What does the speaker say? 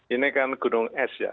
ini kan gunung es ya